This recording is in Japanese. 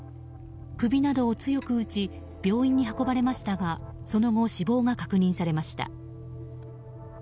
首などを強く打ち病院に運ばれましたがその後、死亡が確認されました。